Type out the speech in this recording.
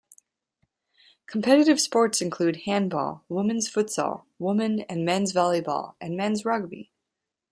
Competitive sports include handball, women's futsal, women and men's volleyball and men's rugby.